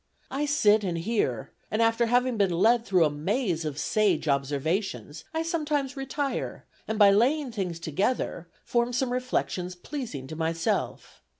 I sit and hear, and after having been led through a maze of sage observations, I sometimes retire, and by laying things together, form some reflections pleasing to myself.